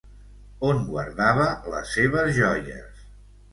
On guardava la seves joies!